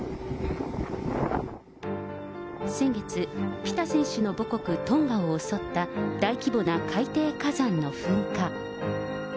先月、ピタ選手の母国、トンガを襲った大規模な海底火山の噴火。